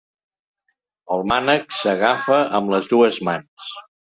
El mànec s'agafa amb les dues mans.